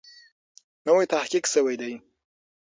نوی تحقیق سوی دی.